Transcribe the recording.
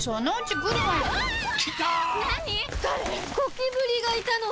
ゴキブリがいたの。